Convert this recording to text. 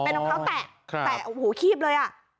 เป็นรองเท้าแตะแตะหูขีบเลยอ่ะ